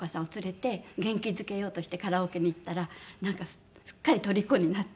元気付けようとしてカラオケに行ったらなんかすっかりとりこになって。